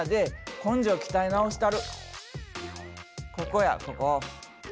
ここやここ。